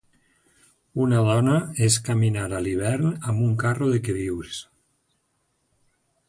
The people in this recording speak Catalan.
Una dona és caminar a l'hivern amb un carro de queviures.